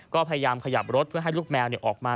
ก็พยายามขยับรถเพื่อให้ลูกแมวออกมา